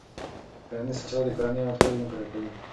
کرنیزې حاصلات د کورنیو اړتیاوې نه پوره کوي.